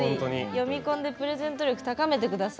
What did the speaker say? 読み込んでプレゼン力高めて下さい。